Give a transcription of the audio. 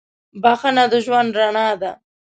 • بخښنه د ژوند رڼا ده.